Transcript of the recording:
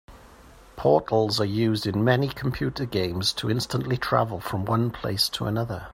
Portals are used in many computer games to instantly travel from one place to another.